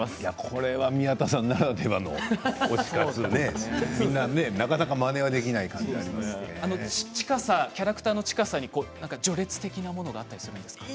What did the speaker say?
これは宮田さんならではの推し活ってキャラクターの近さに序列的なものがあったりするんですか。